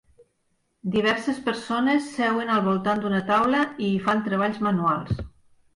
Diverses persones seuen al voltant d'una taula i hi fan treballs manuals.